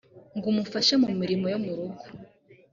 ngo umufashe mu mirimo yo mu rugo